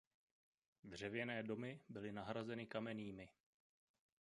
Dřevěné domy byly nahrazeny kamennými.